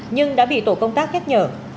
nhưng đã bị tổ công tác khét nhở